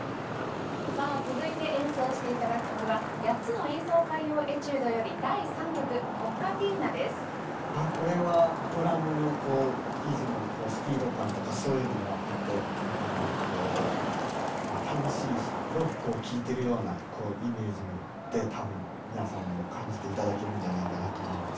さあ続いて演奏して頂く曲はこれはドラムのリズムのスピード感とかそういうのもあって本当にこう楽しいしロックを聴いてるようなイメージで多分皆様にも感じて頂けるんじゃないかなと思います。